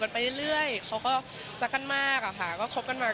เมื่อกีดมันรักกันมาก